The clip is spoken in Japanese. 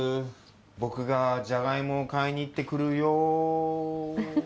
僕がジャガイモを買いに行ってくるよー。